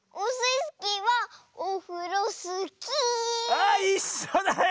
あいっしょだよ！